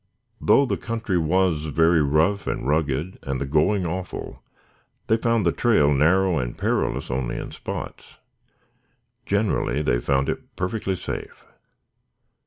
Though the country was very rough and rugged and the going awful, they found the trail narrow and perilous only in spots. Generally they found it perfectly safe.